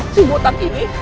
si butak ini